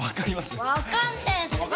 分かんねえってば！